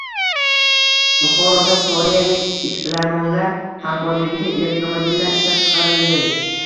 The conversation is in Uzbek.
Buxoroda koreyalik ishbilarmonlar hamkorligida elektromobillar ishlab chiqarilading